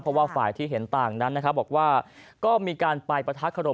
เพราะว่าฝ่ายที่เห็นต่างนั้นนะครับบอกว่าก็มีการไปประทักขรม